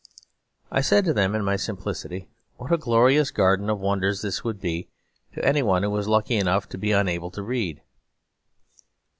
I said to them, in my simplicity, 'What a glorious garden of wonders this would be, to any one who was lucky enough to be unable to read.'